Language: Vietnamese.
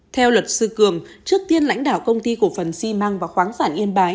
theo luật sư cường trước tiên lãnh đạo công ty cổ phần xi măng và khoáng sản yên bái